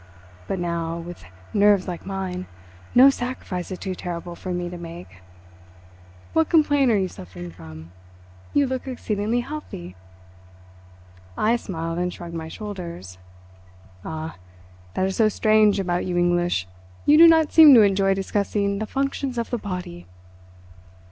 But now, with nerves like mine, no sacrifice is too terrible for me to make. What complaint are you suffering from? You look exceedingly healthy!" I smiled and shrugged my shoulders. "Ah, that is so strange about you English. You do not seem to enjoy discussing the functions of the body.